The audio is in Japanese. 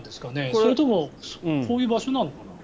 それともこういう場所なのかな。